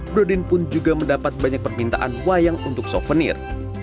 brodin pun juga mendapat banyak permintaan wayang untuk souvenir